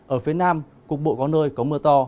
ở phía nam cục bộ có nơi có mưa to